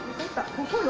ここよ